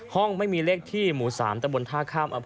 ไม่มีเลขที่หมู่๓ตะบนท่าข้าม